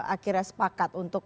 akhirnya sepakat untuk